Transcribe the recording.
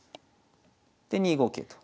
で２五桂と。